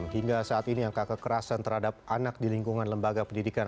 hingga saat ini angka kekerasan terhadap anak di lingkungan lembaga pendidikan